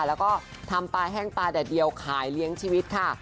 แล้วก็ทำปลาแห้งปลาแดดเดียวขายเลี้ยงชีวิตค่ะ